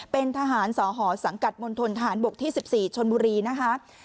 เป็นทหารสหสังกัดมณฑนทหารบกที่๑๔ชนบุรีนะคะ